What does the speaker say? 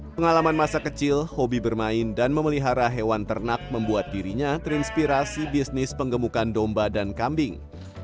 pengalaman masa kecil hobi bermain dan memelihara hewan ternak membuat dirinya terinspirasi bisnis penggemukan domba dan kambing